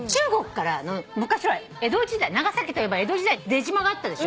昔江戸時代長崎といえば江戸時代出島があったでしょ。